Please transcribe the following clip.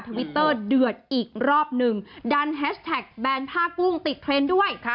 วิตเตอร์เดือดอีกรอบหนึ่งดันแฮชแท็กแบนผ้ากุ้งติดเทรนด์ด้วย